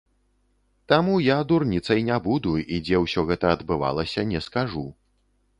Таму я дурніцай не буду і дзе ўсё гэта адбывалася, не скажу.